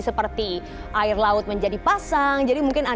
seperti air laut menjadi pasang